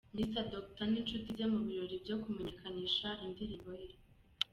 Mr D n'ishuti ze mu birori byo kumenyekanisha indirimbo ye.